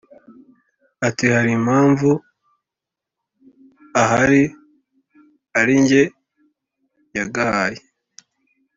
ati"harimpamvu ahari aringe yagahaye